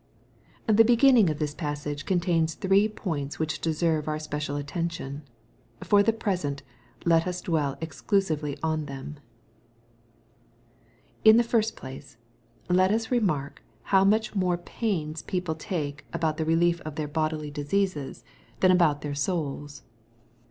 The beginning of this passage contains three points which deserve our special attention. For the present let OS dweU exclusively on them. In the first place, let us remark, how mtich more pains people take about the rdief of their bodily diseases, tham 184 EXPOSITORY THOUGHTS. about their souls.